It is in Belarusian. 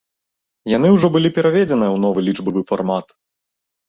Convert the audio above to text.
Яны ўжо былі пераведзеныя ў новы лічбавы фармат.